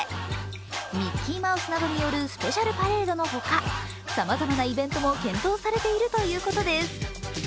ミッキーマウスなどによるスペシャルバレードのほか、さまざまなイベントも検討されているということです。